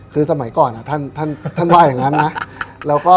คือสมัยก่อนท่านว่าอย่างนั้นนะ